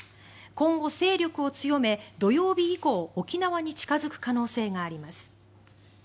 今後、勢力を強め土曜日以降沖縄に近付く可能性があります。